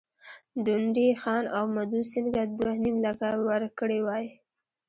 ډونډي خان او مدو سینګه دوه نیم لکه ورکړي وای.